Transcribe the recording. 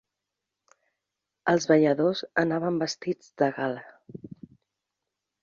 Els balladors anaven vestits de gala.